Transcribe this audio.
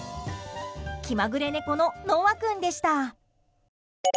気まぐれ猫のノワ君でした。